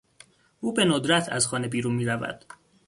او به ندرت از خانه بیرون میرود.